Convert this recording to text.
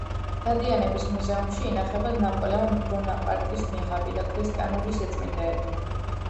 დადიანების მუზეუმში ინახება ნაპოლეონ ბონაპარტის ნიღაბი და ქრისტიანული სიწმინდეები.